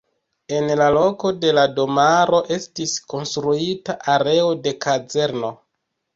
En la loko de la domaro estis konstruita areo de kazerno.